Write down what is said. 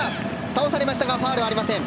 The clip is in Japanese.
倒されましたがファウルはありません。